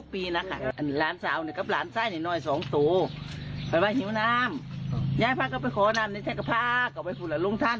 ปล่อยนี้ก็ได้ซองสองแก้วใช้จะได้กระทงติ้บเอามาให้หลาน